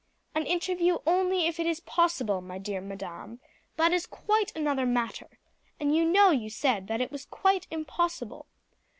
"An interview only if it is possible, my dear madam, that is quite another matter, and you know you said that it was quite impossible.